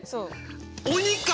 鬼か！